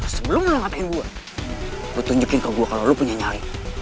sebelum lo matiin gue gue tunjukin ke gue kalau lo punya nyari